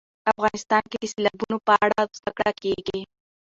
افغانستان کې د سیلابونه په اړه زده کړه کېږي.